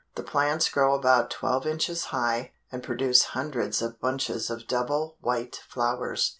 The plants grow about twelve inches high, and produce hundreds of bunches of double white flowers.